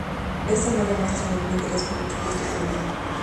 Estos no demuestran ningún interés por el supuesto problema